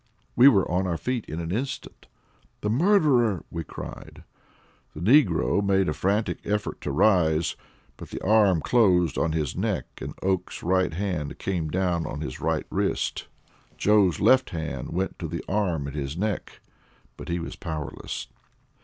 We were on our feet in an instant. "The murderer," we cried. The negro made a frantic effort to rise, but the arm closed on his neck and Oakes's right hand came down on his right wrist. Joe's left hand went to the arm at his neck, but he was powerless.